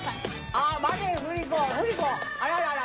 あ待て不二子不二子あららら。